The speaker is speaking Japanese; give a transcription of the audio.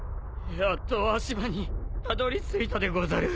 やっと足場にたどりついたでござる。